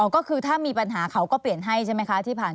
ก็คือถ้ามีปัญหาเขาก็เปลี่ยนให้ใช่ไหมคะที่ผ่าน